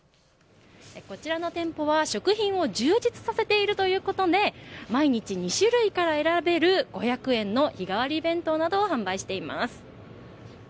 こちらの店舗は、食品を充実させているということで毎日２種類から選べる５００円の日替わり弁当などを販売しています。